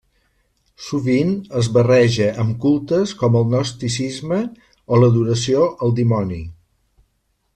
Sovint es barreja amb cultes com el gnosticisme o l'adoració al dimoni.